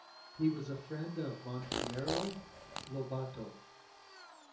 He was friend of Monteiro Lobato.